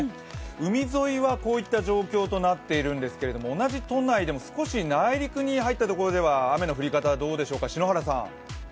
海沿いはこういった状況となっているんですけど同じ都内でも、少し内陸に入ったところでは雨の降り方、どうでしょうか。